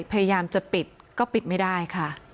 พยายามจะปิดก็ปิดไม่ได้ค่ะ